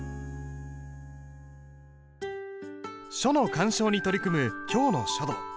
書の鑑賞に取り組む今日の書道。